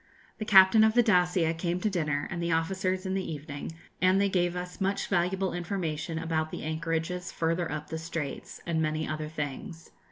The captain of the 'Dacia' came to dinner, and the officers in the evening; and they gave us much valuable information about the anchorages further up the Straits, and many other things.